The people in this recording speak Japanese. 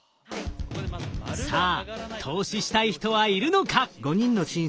さあ投資したい人はいるのか？